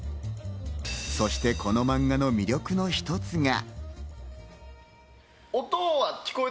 そしてこの漫画の魅力の一つが。